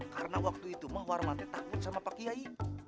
karena waktu itu mah warman takut sama pak kiai